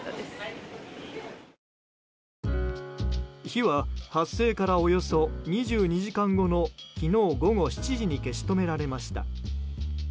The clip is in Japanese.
火は発生からおよそ２２時間後の昨日午後７時に消し止められました。